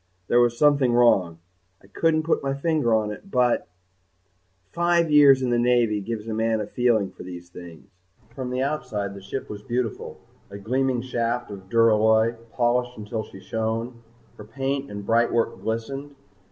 There was something wrong. I couldn't put my finger on it but_ five years in the Navy gives a man a feeling for these things. From the outside the ship was beautiful, a gleaming shaft of duralloy, polished until she shone. Her paint and brightwork glistened.